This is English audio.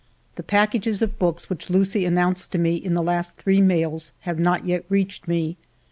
The packages of books which Lucie announced to me in the last three mails have not yet reached me.